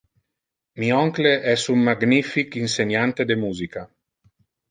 Mi oncle es un magnific inseniante de musica.